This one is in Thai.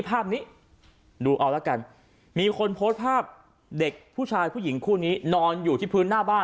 ภาพนี้ดูเอาละกันมีคนโพสต์ภาพเด็กผู้ชายผู้หญิงคู่นี้นอนอยู่ที่พื้นหน้าบ้าน